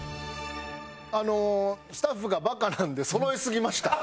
あのスタッフがバカなんでそろえすぎました。